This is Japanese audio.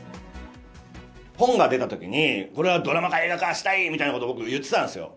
本が出たときに、これはドラマ化、映画化したいみたいなことを僕、言ってたんですよ。